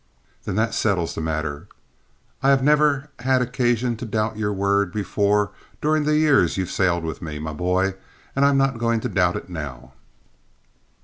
"Then that settles the matter. I've never had occasion to doubt your word before during the years you've sailed with me, my boy, and I am not going to doubt it now."